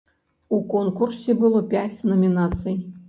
У конкурсе было пяць намінацый.